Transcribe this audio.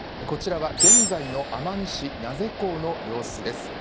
こちらは現在の奄美市名瀬港の様子です。